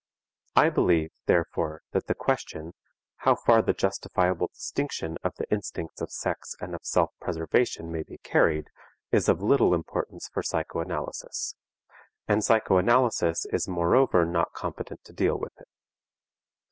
I believe, therefore, that the question, how far the justifiable distinction of the instincts of sex and of self preservation may be carried, is of little importance for psychoanalysis; and psychoanalysis is moreover not competent to deal with it.